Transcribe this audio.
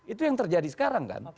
itu yang terjadi sekarang kan